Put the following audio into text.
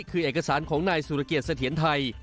คือเอกสารของนายสุรเกียรติเสถียรไทย